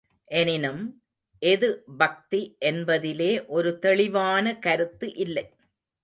எனினும், எது பக்தி என்பதிலே ஒரு தெளிவான கருத்து இல்லை.